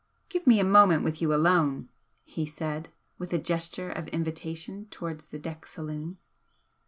"Give me a moment with you alone," he said, with a gesture of invitation towards the deck saloon.